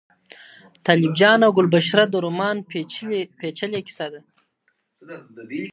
طالب جان او ګلبشره د رومان پېچلې کیسه ده.